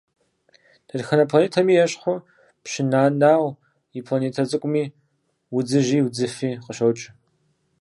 Дэтхэнэ планетэми ещхьу, Пщы Нэнау и планетэ цӀыкӀуми удзыжьи удзыфӀи къыщокӀ.